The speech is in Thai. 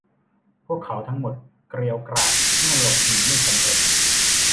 พวกเขาทั้งหมดเกรียวกราดเมื่อหลบหนีไม่สำเร็จ